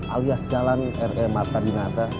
alias jalan r e marta dinata